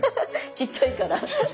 ちっちゃいから。